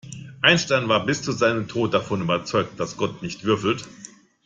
Einstein war bis zu seinem Tode davon überzeugt, dass Gott nicht würfelt.